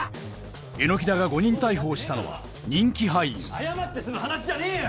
榎田が誤認逮捕をしたのは人気俳優謝って済む話じゃねえよ！